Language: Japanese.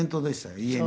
家に。